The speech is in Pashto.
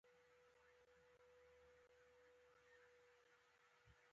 د افغانستان په منظره کې ځمکه ښکاره ده.